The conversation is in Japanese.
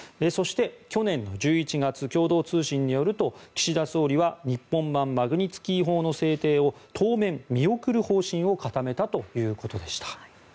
そして、去年の１１月共同通信によると岸田総理は日本版マグニツキー法の制定を当面、見送る方針を固めたということでした。